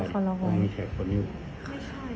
ไม่ใช่เขาไม่ได้ใส่หรอก